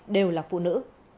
điều là phụ nữ